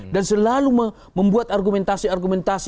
dan selalu membuat argumentasi argumentasi